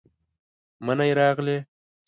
منی راغلې،